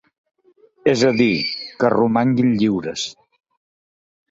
És a dir, que romanguin lliures.